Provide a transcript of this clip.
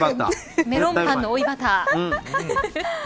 メロンパンの追いバター。